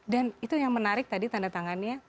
dan itu yang menarik tadi tanda tangannya